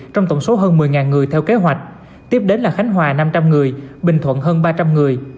trong tổng số hơn một mươi người theo kế hoạch tiếp đến là khánh hòa năm trăm linh người bình thuận hơn ba trăm linh người